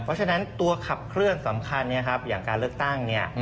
เพราะฉะนั้นตัวขับเคลื่อนสำคัญอย่างการเลือกตั้งเนี่ย